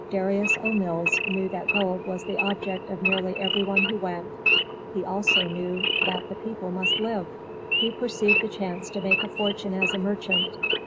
Darius O. Mills knew that gold was the object of nearly every one who went; he also knew that the people must live; he perceived the chance to make a fortune as a merchant.